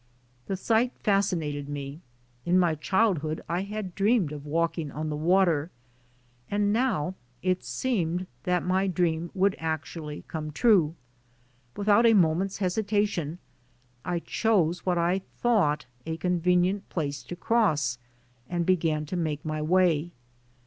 The sight fascinated me; in my childhood I had dreamed of walking on the water, and now it seemed that my dream would actually come true. Without a moment's hesitation I chose what I thought a convenient place to cross and began to make my way.